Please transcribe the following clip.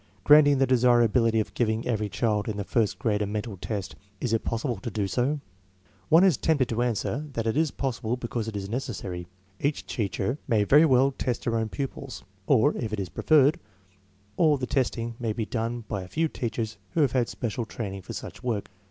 Granting the desirability of giving every child in the first grade ,a mental test, is it possible to do so? One is tempted to answer that it is possible because it is necessary. Each teacher may very well test her own pupils, or, if it is preferred, all the testing may be done by a few teachers who have had special training for such work.